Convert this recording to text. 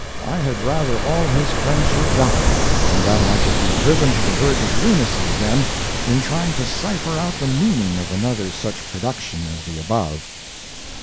I had rather all his friends should die than that I should be driven to the verge of lunacy again in trying to cipher out the meaning of another such production as the above.